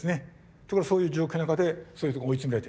ところがそういう状況の中でそういうとこへ追い詰められて。